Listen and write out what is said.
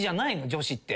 女子って。